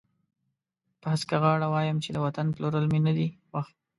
په هسکه غاړه وایم چې د وطن پلورل مې نه دي خوښ.